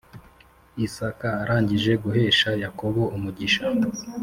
Isaka arangije guhesha yakobo umugisha